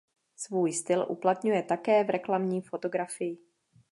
Svůj "styl" uplatňuje také v reklamní fotografii.